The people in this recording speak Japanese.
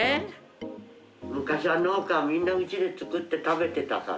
昔は農家はみんなうちで作って食べてたから。